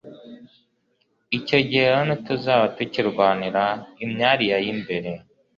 Icyo gihe rero ntituzaba tukirwanira imyariya y'imbere.